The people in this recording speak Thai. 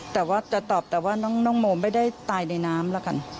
แต่ว่าจะตอบแต่ว่าน้องโมไม่ได้ตายในน้ำแล้วกัน